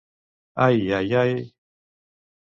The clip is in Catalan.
Ai, ai, ai!